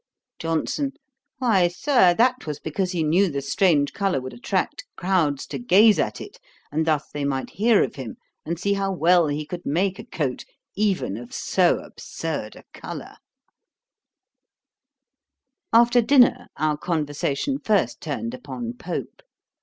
JOHNSON. 'Why, Sir, that was because he knew the strange colour would attract crowds to gaze at it, and thus they might hear of him, and see how well he could make a coat even of so absurd a colour.' After dinner our conversation first turned upon Pope.